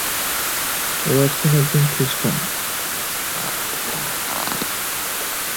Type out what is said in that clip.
Watson একজন খ্রিষ্টান।